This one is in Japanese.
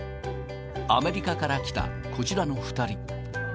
アメリカから来た、こちらの２人。